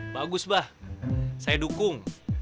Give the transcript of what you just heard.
bagus bah saya dukung